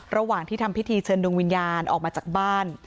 ระหว่างที่ทำพิธีเชิญดวงวิญญาณออกมาจากบ้าน